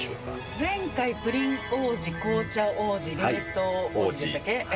前回、プリン王子、紅茶王子、冷凍王子でしたっけ？